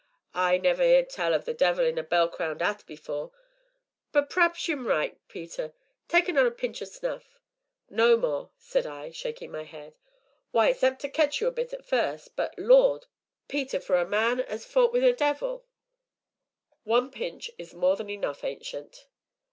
"I never heerd tell o' the devil in a bell crowned 'at afore, but p'r'aps you 'm right, Peter tak' another pinch o' snuff." "No more," said I, shaking my head. "Why, it's apt to ketch you a bit at first, but, Lord! Peter, for a man as 'as fou't wi' the devil " "One pinch is more than enough, Ancient."